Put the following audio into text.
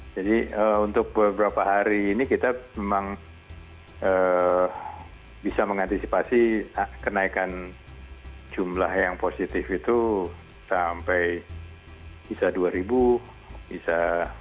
jadi untuk beberapa hari ini kita memang bisa mengantisipasi kenaikan jumlah yang positif itu sampai bisa dua